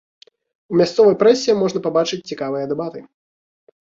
У мясцовай прэсе можна пабачыць цікавыя дэбаты.